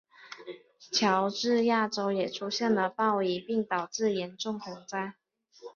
乔治亚州也出现了暴雨并导致严重洪灾。